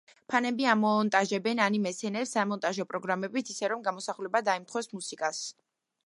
ფანები ამონტაჟებენ ანიმე სცენებს სამონტაჟო პროგრამებით ისე, რომ გამოსახულება დაემთხვეს მუსიკას.